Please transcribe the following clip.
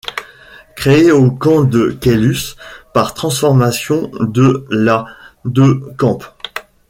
Créé au camp de Caylus par transformation de la de camp.